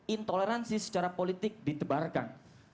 intoleransi secara politik ditebarkan